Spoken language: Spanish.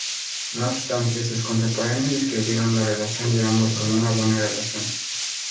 No obstante, sus contemporáneos describieron la relación de ambos como "Una buena relación".